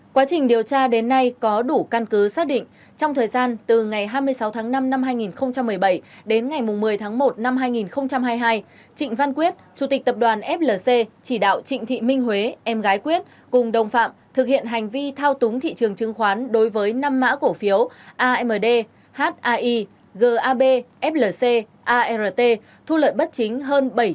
quá trình điều tra đến nay có đủ căn cứ xác định trong thời gian từ ngày hai mươi sáu tháng năm năm hai nghìn một mươi bảy đến ngày một mươi tháng một năm hai nghìn hai mươi hai trịnh văn quyết chủ tịch tập đoàn flc chỉ đạo trịnh thị minh huế em gái quyết cùng đồng phạm thực hiện hành vi thao túng thị trường chứng khoán đối với năm mã cổ phiếu amd hai gab flc art thu lợi bất chính hơn bảy trăm hai mươi ba tỷ đồng